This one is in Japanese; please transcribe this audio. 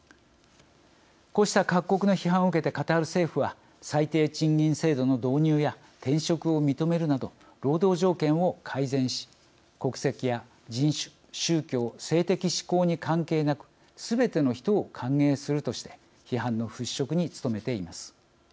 こうした各国の批判を受けてカタール政府は最低賃金制度の導入や転職を認めるなど労働条件を改善し国籍や人種、宗教、性的指向に関係なくすべての人を歓迎するとして批判の払拭に努めています。